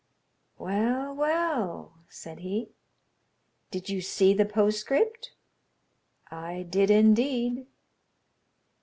"Well, well!" said he. "Did you see the postscript?" "I did, indeed.